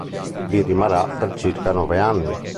Vi rimarrà per circa nove anni.